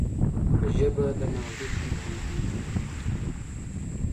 ژبه د ناورین هم غندنه کوي